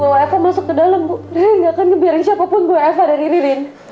bawa eva masuk ke dalam dia gak akan ngebiarin siapapun buat eva dan irin